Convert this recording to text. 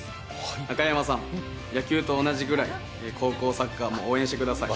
中山さん、野球と同じぐらい、高校サッカーも応援してください。